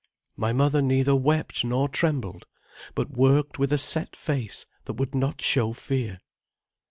My mother neither wept nor trembled, but worked with a set face that would not show fear.